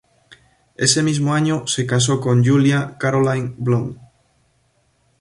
Ese mismo año se casó con Julia Caroline Blount.